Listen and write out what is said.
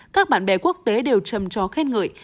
các bạn bè quốc tế đều trầm tró khen ngợi